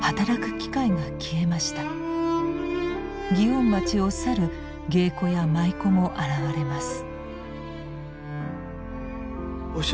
祇園町を去る芸妓や舞妓も現れます。